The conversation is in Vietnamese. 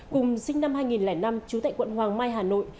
cùng sinh năm hai nghìn năm trú tại quận hoàng mai hà nội